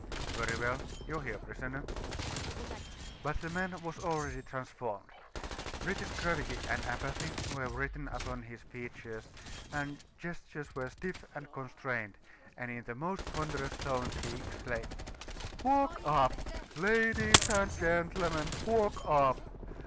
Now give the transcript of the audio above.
"Very well. You hear, prisoner?" But the man was already transformed. British gravity and apathy were written upon his features; his gestures were stiff and constrained, and in the most ponderous tones he exclaimed: "Walk up! ladies and gentlemen, walk up!